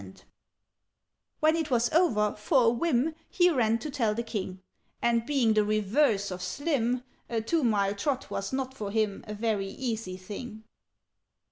"When it was over, for a whim, He ran to tell the King; And being the reverse of slim, A two mile trot was not for him A very easy thing.